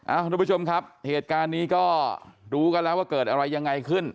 ทุกผู้ชมครับเหตุการณ์นี้ก็รู้กันแล้วว่าเกิดอะไรยังไงขึ้น